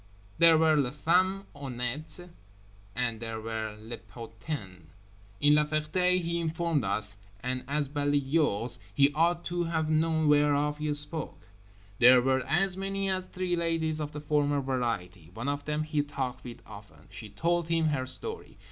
There were les femmes honnêtes and there were les putains. In La Ferté, he informed us—and as balayeur he ought to have known whereof he spoke—there were as many as three ladies of the former variety. One of them he talked with often. She told him her story.